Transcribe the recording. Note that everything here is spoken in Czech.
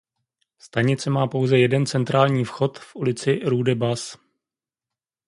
Stanice má pouze jeden centrální vchod v ulici "Rue des Bas".